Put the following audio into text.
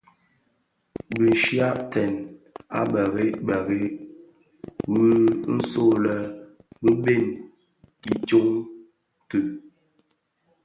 Bi nshyakten a bërëg bërëg wui nso lè bi bèň i tsoň tii.